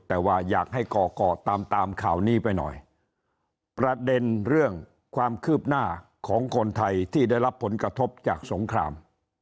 แต่ว่าอยากให้ก่อก่อตามตามข่าวนี้ไปหน่อยประเด็นเรื่องความคืบหน้าของคนไทยที่ได้รับผลกระทบจากสงคราม